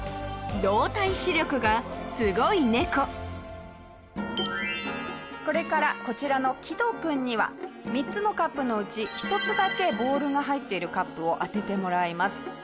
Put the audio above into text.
動体視力がすごい猫下平：これからこちらのキド君には３つのカップのうち、１つだけボールが入っているカップを当ててもらいます。